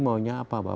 loh apa alasannya